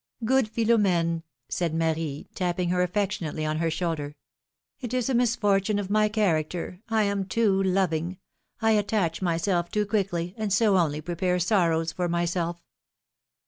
Good, Philom^ne !" said Marie, tapping her affection ately on her shoulder. 68 philom^:ne's marriages. It is a misfortune of my character ; I am too loving ; I attach myself too quickly, and so only prepare sorrows for myself.